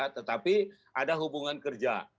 tetapi ada hubungan kerja